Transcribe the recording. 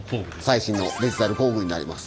最新のデジタル工具になります。